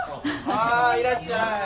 ああいらっしゃい。